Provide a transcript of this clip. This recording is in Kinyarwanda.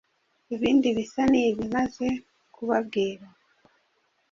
ibindi bisa n’ibi maze kubabwira